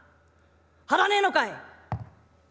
張らねえのかい！？」。